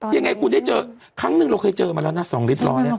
ยังไงคุณได้เจอครั้งหนึ่งเราเคยเจอมาแล้วนะ๒ลิตรร้อยเนี่ย